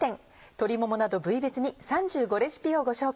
鶏ももなど部位別に３５レシピをご紹介。